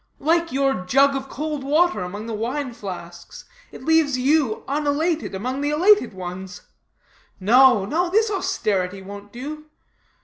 Like your jug of cold water among the wine flasks, it leaves you unelated among the elated ones. No, no. This austerity won't do.